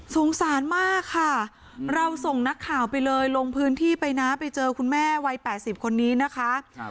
สงสารมากค่ะเราส่งนักข่าวไปเลยลงพื้นที่ไปนะไปเจอคุณแม่วัย๘๐คนนี้นะคะ